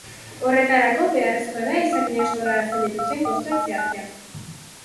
Horretarako, beharrezko da izakinek sorrarazten dituzten kostuak zehaztea.